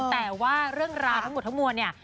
แต่ว่าเรื่องราวทั้งหมดทั้งมวลเนี่ย